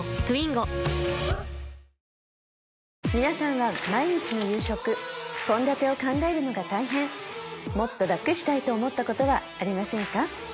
皆さんは毎日の夕食献立を考えるのが大変もっと楽したいと思ったことはありませんか？